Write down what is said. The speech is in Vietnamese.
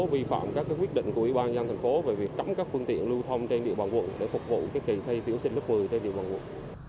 vi phạm các quyết định của ủy ban nhân thành phố về việc cấm các phương tiện lưu thông trên địa bàn quận để phục vụ kỳ thi tuyển sinh lớp một mươi trên địa bàn quận